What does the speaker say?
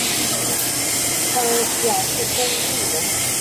贾公彦人。